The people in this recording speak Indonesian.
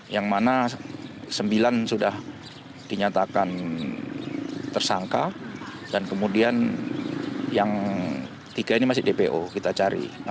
yang mana sembilan sudah dinyatakan tersangka dan kemudian yang tiga ini masih dpo kita cari